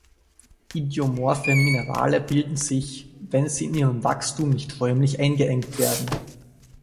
Idiomorphe Minerale bilden sich, wenn sie in ihrem Wachstum nicht räumlich eingeengt werden.